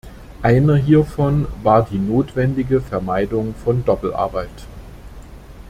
Einer hiervon war die notwendige Vermeidung von Doppelarbeit.